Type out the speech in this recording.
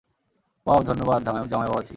Wow, ধন্যবাদ, জামাই বাবাজি।